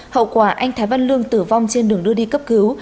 hậu quả anh thái văn lương tử vong trên đường đưa đi cấp cứu